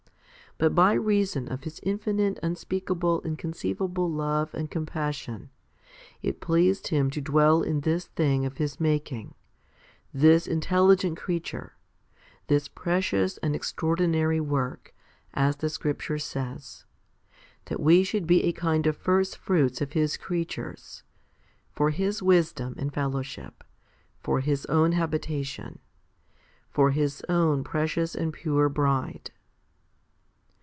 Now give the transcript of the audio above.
But by 1 2 Pet. i. 4. 2 2 Cor, xi. 2, 3 Heb. iii, 6. HOMILY XLIX 307 reason of His infinite, unspeakable, inconceivable love and compassion, it pleased Him to dwell in this thing of His making, this intelligent creature, this precious and extra ordinary work, as the scripture says, that we should be a kind of firstfruits of His creatures? for His wisdom and fellowship, for His own habitation, for His own precious and pure bride.